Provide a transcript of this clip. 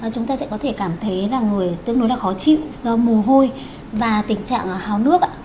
chúng ta sẽ có thể cảm thấy là người tương đối là khó chịu do mù hôi và tình trạng hào nước ạ